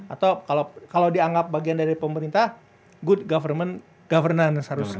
atau kalau dianggap bagian dari pemerintah good government governance seharusnya